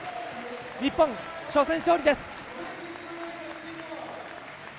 日本、初戦勝利です！